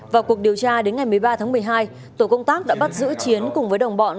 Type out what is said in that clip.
vào cuộc điều tra đến ngày một mươi ba tháng một mươi hai tổ công tác đã bắt giữ chiến cùng với đồng bọn